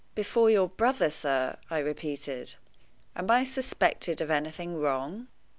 "Before your brother, sir!" I repeated. "Am I suspected of anything wrong?"